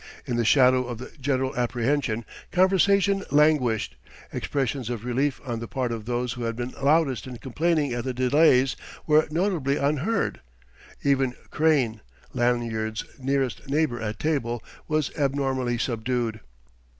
In the shadow of the general apprehension, conversation languished; expressions of relief on the part of those who had been loudest in complaining at the delays were notably unheard; even Crane, Lanyard's nearest neighbour at table, was abnormally subdued.